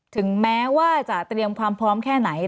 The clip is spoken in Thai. ถึงแม้ว่าจะเตรียมความพร้อมแค่ไหน